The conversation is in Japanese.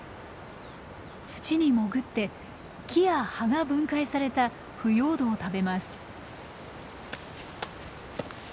土に潜って木や葉が分解された腐葉土を食べます。